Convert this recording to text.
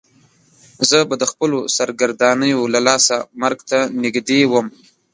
زه به د خپلو سرګردانیو له لاسه مرګ ته نږدې وم.